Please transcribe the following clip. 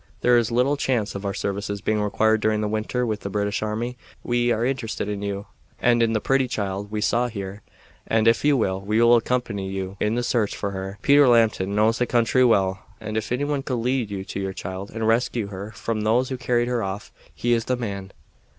There is little chance of our services being required during the winter with the British army. We, are interested in you and in the pretty child we saw here, and, if you will, we will accompany you in the search for her. Peter Lambton knows the country well, and if anyone could lead you to your child and rescue her from those who carried her off, he is the man."